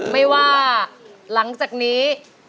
ไม่ว่าหลังจากนี้